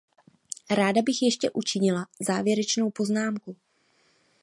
Ráda bych ještě učinila závěrečnou poznámku.